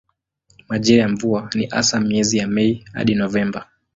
Majira ya mvua ni hasa miezi ya Mei hadi Novemba.